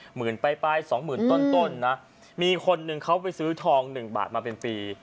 หมื่นป้าย๒หมื่นต้นนะมีคนหนึ่งเขาไปซื้อทอง๑บาทมาเป็นปี